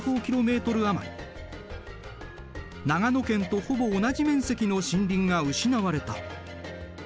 余り長野県とほぼ同じ面積の森林が失われた。